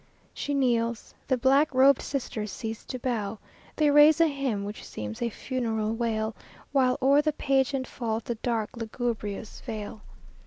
She kneels. The black robed sisters cease to bow. They raise a hymn which seems a funeral wail, While o'er the pageant falls the dark, lugubrious veil.